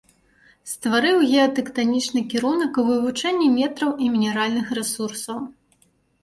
Стварыў геатэктанічны кірунак у вывучэнні нетраў і мінеральных рэсурсаў.